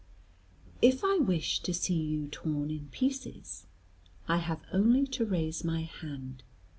"If I wish to see you torn in pieces, I have only to raise my hand.